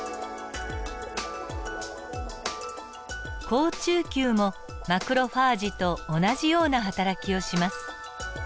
好中球もマクロファージと同じようなはたらきをします。